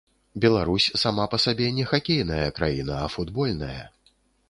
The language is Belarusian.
Беларусь сама па сабе не хакейная краіна, а футбольная.